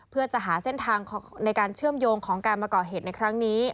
เพื่อจะหาเส้นทางในการเชื่อมโยงของการมาก่อเหตุในครั้งนี้